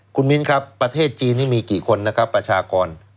คุณมิ้นครับประเทศจีนนี่มีกี่คนนะครับประชากร